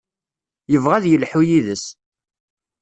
Yebɣa ad yelḥu yid-s.